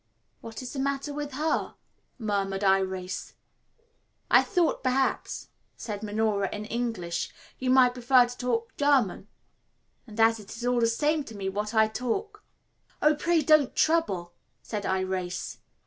"What is the matter with her?" murmured Irais. "I thought, perhaps," said Minora in English, "you might prefer to talk German, and as it is all the same to me what I talk " "Oh, pray don't trouble," said Irais.